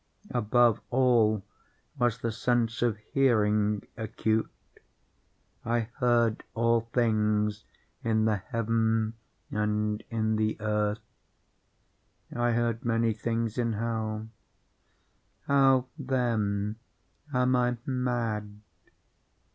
Above all was the sense of hearing acute. I heard all things in the heaven and in the earth. I heard many things in hell. How, then, am I mad?